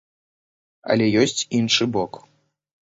Але ёсць іншы бок.